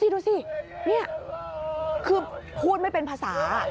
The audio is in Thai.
ดูสินี่คือพูดไม่เป็นภาษา